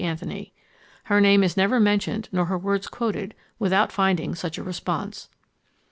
Anthony. Her name is never mentioned nor her words quoted without finding such a response.